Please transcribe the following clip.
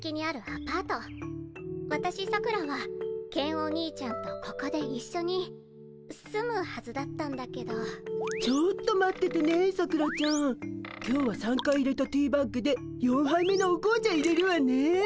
私さくらはケンお兄ちゃんとここで一緒に住むはずだったんだけどちょっと待っててねさくらちゃん。今日は３回いれたティーバッグで４杯目のお紅茶いれるわね。